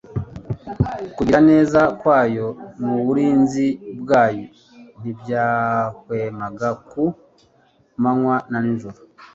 Kugira neza kwayo n'uburinzi bwayo ntibyahwemaga ku manywa na nijoro.